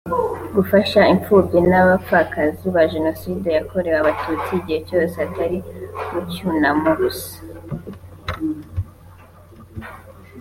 gufasha imfubyi n’abapfakazi ba Jenoside yakorewe Abatutsi igihe cyose atari mu cyunamo gusa